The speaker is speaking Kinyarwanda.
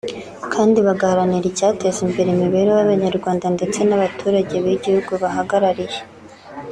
kandi bagaharanira icyateza imbere imibereho y’Abanyarwanda ndetse n’abaturage b’ibihugu bahagarariye